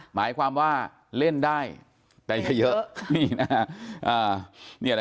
หมายความว่าเล่นได้แต่อย่าเยอะ